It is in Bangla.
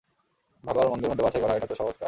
ভাল আর মন্দের মধ্যে বাছাই করা, এটা তো সহজ কাজ।